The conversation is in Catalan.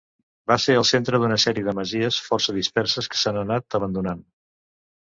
Va ser el centre d'una sèrie de masies força disperses que s'han anat abandonant.